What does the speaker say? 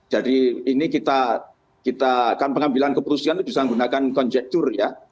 jadi ini kita pengambilan keputusan itu bisa digunakan konjunktur ya